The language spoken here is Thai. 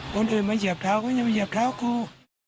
คนอื่นมาเหยียบเท้าก็อย่ามาเหยียบเท้าครู